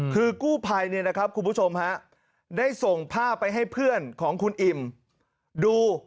คือกู้ภัยเนี่ยนะครับคุณผู้ชมฮะได้ส่งภาพไปให้เพื่อนของคุณอิ่มดู